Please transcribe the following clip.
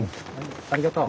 ありがとう。